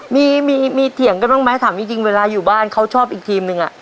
มีมีเถียงกันบ้างไหมถามจริงเวลาอยู่บ้านเขาชอบอีกทีมนึง